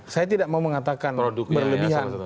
saya tidak mau mengatakan berlebihan